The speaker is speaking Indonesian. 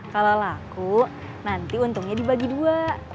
kalau laku nanti untungnya dibagi dua